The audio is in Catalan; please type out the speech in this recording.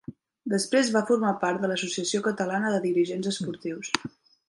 Després va formar part de l’Associació Catalana de Dirigents Esportius.